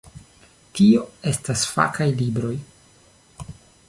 Tio estas fakaj libroj.